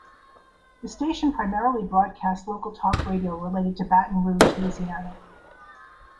The station primarily broadcasts local talk radio related to Baton Rouge, Louisiana.